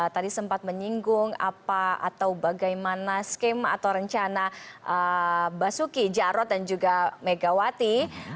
tadi sempat menyinggung apa atau bagaimana skema atau rencana basuki jarod dan juga megawati